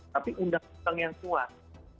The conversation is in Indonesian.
tapi undang undang yang kuat